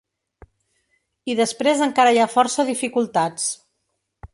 I després encara hi ha força dificultats.